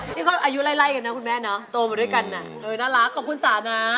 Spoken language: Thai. นี่เขาอายุไล่กันนะคุณแม่เนาะโตมาด้วยกันน่ารักขอบคุณสานะ